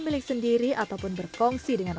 mereka juga memiliki keuntungan untuk memiliki keuntungan